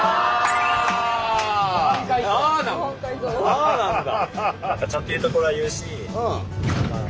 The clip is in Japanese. ああなんだ。